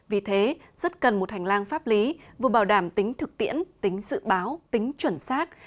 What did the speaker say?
vì thế rất cần một hành lang pháp lý vừa bảo đảm tính thực tiễn tính dự báo tính chuẩn xác